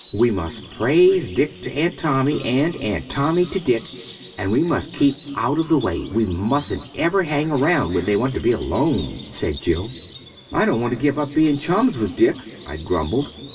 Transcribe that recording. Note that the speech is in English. "We must praise Dick to Aunt Tommy and Aunt Tommy to Dick and we must keep out of the way we mustn't ever hang around when they want to be alone," said Jill. "I don't want to give up being chums with Dick," I grumbled.